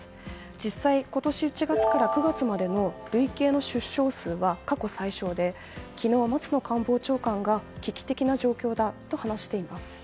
実際、今年１月から９月までの累計の出生数は過去最少で昨日、松野官房長官が危機的な状況だと話しています。